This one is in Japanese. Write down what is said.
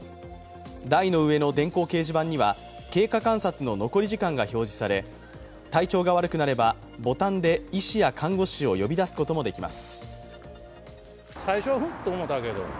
台の上の電光掲示板には経過観察の残り時間が表示され体調が悪くなれば、ボタンで医師や看護師を呼び出すこともできます。